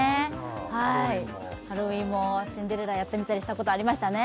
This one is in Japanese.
はいハロウィンもシンデレラやってみたりしたことありましたね